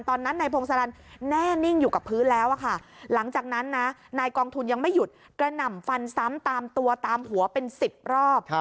ตอนนั้นนายพงศรันแน่นิ่งอยู่กับพื้นแล้วค่ะหลังจากนั้นนะนายกองทุนยังไม่หยุดกระหน่ำฟันซ้ำตามตัวตามหัวเป็น๑๐รอบ